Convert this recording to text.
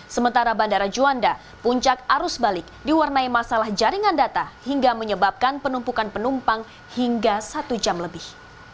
sementara bandara juanda puncak arus balik diwarnai masalah jaringan data hingga menyebabkan penumpukan penumpang hingga satu jam lebih